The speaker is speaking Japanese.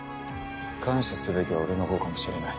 感謝すべきは俺の方かもしれない。